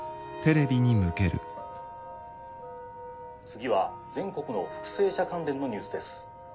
「次は全国の復生者関連のニュースです。